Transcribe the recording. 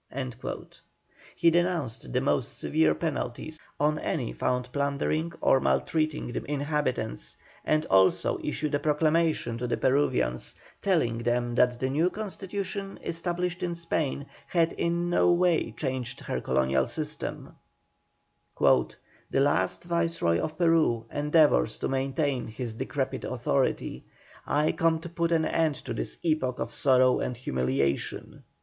He denounced the most severe penalties on any found plundering or maltreating the inhabitants, and also issued a proclamation to the Peruvians, telling them that the new constitution established in Spain had in no way changed her colonial system: "The last Viceroy of Peru endeavours to maintain his decrepid authority. I come to put an end to this epoch of sorrow and humiliation."